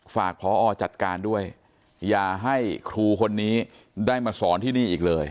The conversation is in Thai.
พอจัดการด้วยอย่าให้ครูคนนี้ได้มาสอนที่นี่อีกเลย